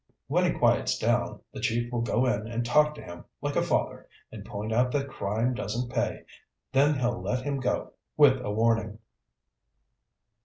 When he quiets down, the chief will go in and talk to him like a father and point out that crime doesn't pay, then he'll let him go with a warning."